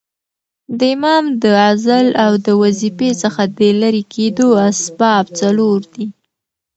د امام د عزل او د وظیفې څخه د ليري کېدو اسباب څلور دي.